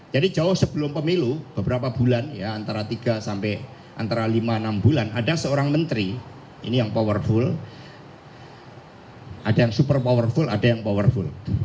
jadi jauh sebelum pemilu beberapa bulan ya antara tiga sampai antara lima enam bulan ada seorang menteri ini yang powerful ada yang super powerful ada yang powerful